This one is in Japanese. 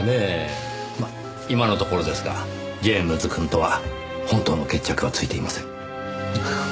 まあ今のところですがジェームズくんとは本当の決着はついていません。